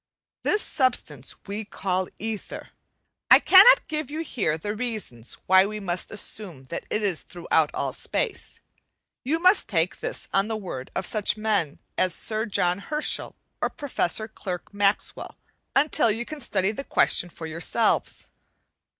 This substance we call "ether." I cannot give you here the reasons why we must assume that it is throughout all space; you must take this on the word of such men as Sir John Herschel or Professor Clerk Maxwell, until you can study the question for yourselves.